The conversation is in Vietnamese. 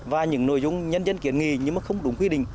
và những nội dung nhân dân kiến nghị nhưng mà không đúng quy định